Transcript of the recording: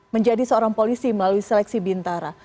menjadi seorang polisi melalui seleksi bintara